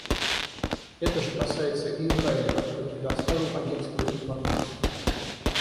Это же касается и Израиля, который предоставил Агентству информацию.